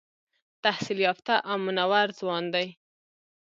تحصیل یافته او منور ځوان دی.